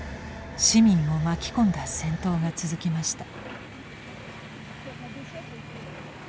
市民を巻き込んだ戦闘が続きました。